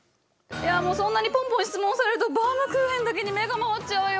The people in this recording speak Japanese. いやもうそんなにポンポン質問されるとバウムクーヘンだけに目が回っちゃうよ。